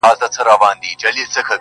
کمی نه وو د طلا د جواهرو،